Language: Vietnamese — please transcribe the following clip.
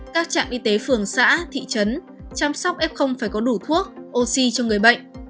các trạm y tế phường xã thị trấn chăm sóc f phải có đủ thuốc oxy cho người bệnh